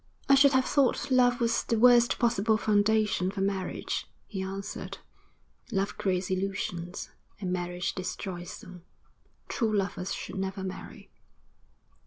'I should have thought love was the worst possible foundation for marriage,' he answered. 'Love creates illusions, and marriage destroys them. True lovers should never marry.'